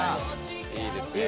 いいですね。